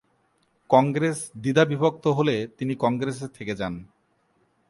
কংগ্রেস দ্বিধাবিভক্ত হলে তিনি কংগ্রেসে থেকে যান।